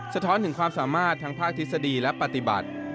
สะท้อนถึงความสามารถทั้งภาคทฤษฎีและปฏิบัติ